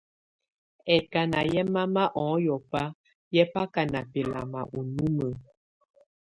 Ɛkáná yɛ́ mama ɔŋɔ́bá yɛ́ bá ká ná bɛ́lamá ú numǝ́.